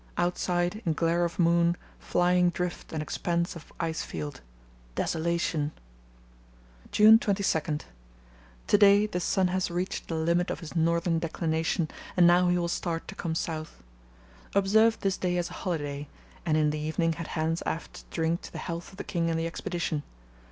Outside, in glare of moon, flying drift and expanse of ice field. Desolation! "June 22.—To day the sun has reached the limit of his northern declination and now he will start to come south. Observed this day as holiday, and in the evening had hands aft to drink to the health of the King and the Expedition.